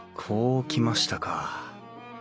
こうきましたか。